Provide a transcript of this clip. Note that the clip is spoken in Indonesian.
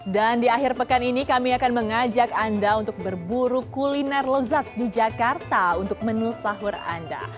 dan di akhir pekan ini kami akan mengajak anda untuk berburu kuliner lezat di jakarta untuk menu sahur anda